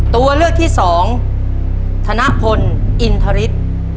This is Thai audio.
ตัวเลือกที่สองธนพลอินทริส